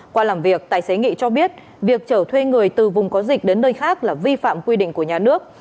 qua làm việc tài xế nghị cho biết việc chở thuê người từ vùng có dịch đến nơi khác là vi phạm quy định của nhà nước